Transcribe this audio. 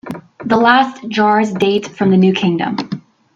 The last jars date from the New Kingdom.